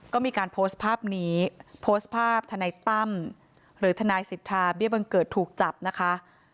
ก็มีการโพสต์ภาพนี้โพสต์ภาพทนายตั้มหรือทนายสิทธาเบี้ยบังเกิดถูกจับนะคะ